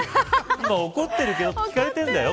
今、怒ってるか聞かれてるんだよ。